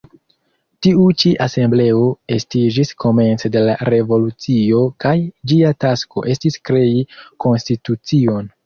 Tiu ĉi asembleo estiĝis komence de la revolucio kaj ĝia tasko estis krei konstitucion.